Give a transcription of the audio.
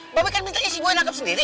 mba be kan bintanya si boe langkap sendiri